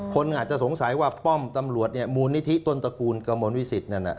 คนอาจจะสงสัยว่าป้อมตำรวจเนี่ยมูลนิธิต้นตระกูลกระมวลวิสิตนั่นน่ะ